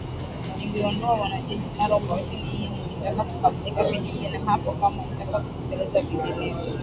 lingeondoa wanajeshi mara operesheni hiyo itakapokamilika kinyume na hapo kama itaelekezwa vinginevyo